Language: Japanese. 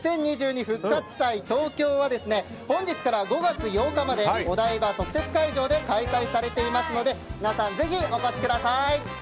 復活祭ＴＯＫＹＯ」は本日から５月８日までお台場特設会場で開催されていますので皆さんぜひお越しください！